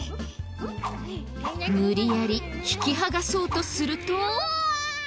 無理やり引き剥がそうとすると。